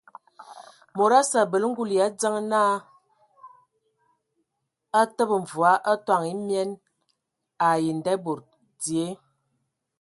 Mod osə abələ ngul yʼadzəŋ na utəbə mvɔa atoŋ emien ai ndabod dzie.